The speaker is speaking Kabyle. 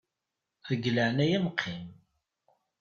Deg laɛnaya-m qqim.